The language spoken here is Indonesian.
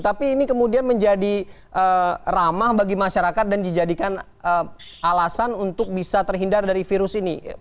tapi ini kemudian menjadi ramah bagi masyarakat dan dijadikan alasan untuk bisa terhindar dari virus ini